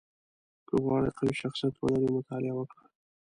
• که غواړې قوي شخصیت ولرې، مطالعه وکړه.